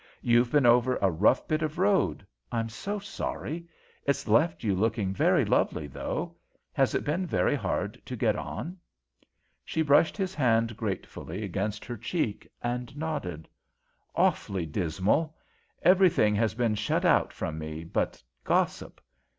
"You've been over a rough bit of road. I'm so sorry. It's left you looking very lovely, though. Has it been very hard to get on?" She brushed his hand gratefully against her cheek and nodded. "Awfully dismal. Everything has been shut out from me but gossip.